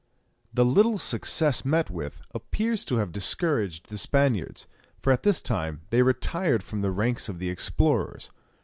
The little success met with appears to have discouraged the Spaniards, for at this time they retired from the ranks of the explorers.